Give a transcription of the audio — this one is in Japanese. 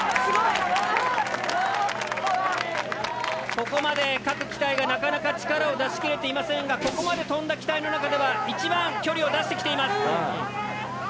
ここまで各機体がなかなか力を出しきれていませんがここまで飛んだ機体の中では一番距離を出してきています。